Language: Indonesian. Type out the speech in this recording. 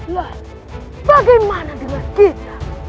lah bagaimana dengan kita